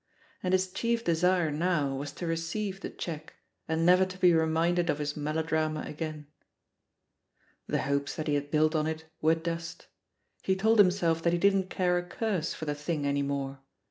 And his chief desire now was to receive the cheque and never to be reminded of his melo drama again. The hopes that he had built on it were dust; 128 THE POSITION OF PEGGY HARPER 1«9 lie told himself that he didn't caxe a curse for the thing any more.